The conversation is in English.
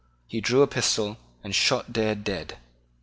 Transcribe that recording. He drew a pistol and shot Dare dead.